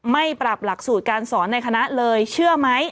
ไม่ปรับหลักสูตรการสอนในคณะเลยเชื่อไหม